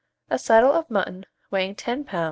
A saddle of mutton weighing 10 lbs.